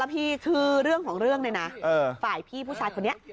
พี่คือเรื่องของเรื่องเนี่ยนะฝ่ายพี่ผู้ชายคนนี้